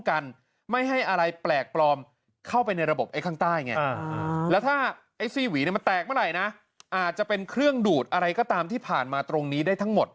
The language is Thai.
อาจจะเป็นเครื่องดูดอะไรก็ตามที่ผ่านมาตรงนี้ได้ทั้งหมด